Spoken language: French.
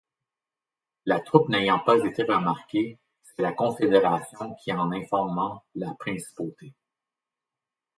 La troupe n'ayant pas été remarquée, c'est la Confédération qui en informa la Principauté.